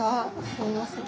すいません。